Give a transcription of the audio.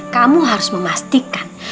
kamu harus memastikan